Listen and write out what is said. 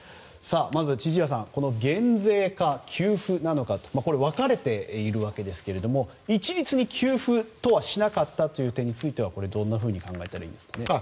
まず、千々岩さん減税か給付なのかと分かれているわけですけれども一律に給付としなかった点についてはどんなふうに考えていますか？